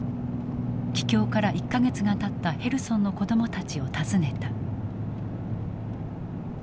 帰郷から１か月がたったヘルソンの子どもたちを訪ねた。